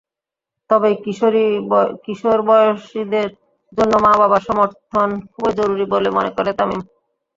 তবে কিশোর বয়সীদের জন্য মা-বাবার সমর্থন খুবই জরুরি বলে মনে করে তামিম।